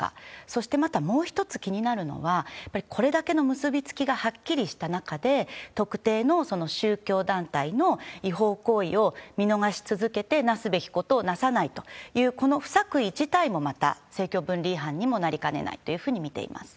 そしてまたもう１つ気になるのは、やっぱりこれだけの結び付きがはっきりした中で、特定の宗教団体の違法行為を見逃し続けて、なすべきことをなさないという、この不作為自体もまた、政教分離違反にもなりかねないというふうに見ています。